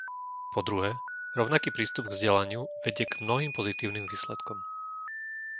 Po druhé, rovnaký prístup k vzdelaniu vedie k mnohým pozitívnym výsledkom.